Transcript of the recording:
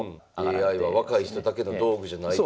「ＡＩは若い人だけの道具じゃない」と。